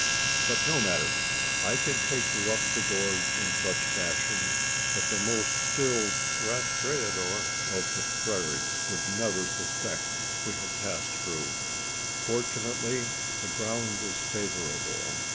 But no matter. I can take you up the gorge in such fashion, that the most skilled rastreador of the prairies would never suspect we had passed through. Fortunately, the ground is favourable.